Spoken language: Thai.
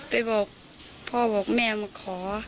ไปบอกพ่อบอกแม่มาขอ